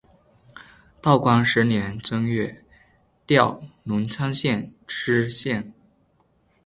道光十年正月调荣昌县知县。